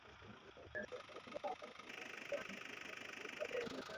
kwa waumini wanaoshikiliwa na kanisa la coptic nchini misri